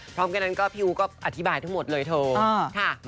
พร้อมกับนั้นพี่อู๋ก็อธิบายทุกหมดเลยเถอะ